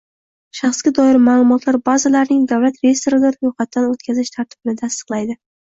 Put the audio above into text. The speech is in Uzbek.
Shaxsga doir ma’lumotlar bazalarining davlat reyestrida ro‘yxatdan o‘tkazish tartibini tasdiqlaydi;